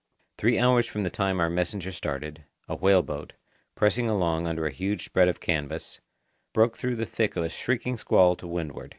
Three hours from the time our messenger started, a whale boat, pressing along under a huge spread of canvas, broke through the thick of a shrieking squall to windward.